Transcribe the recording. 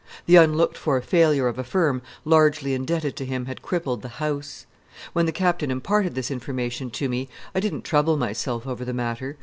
The unlooked for failure of a firm largely indebted to him had crippled "the house." When the Captain imparted this information to me I didn't trouble myself over the matter.